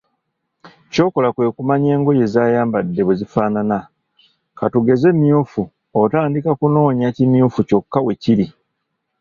ky’okola kwekumanya engoye z’ayambadde bwe zifaanana, katugeze myufu, otandika kunoonya kimyufu kyokka weekiri.